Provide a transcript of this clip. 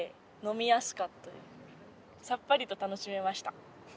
さっぱりと楽しめました。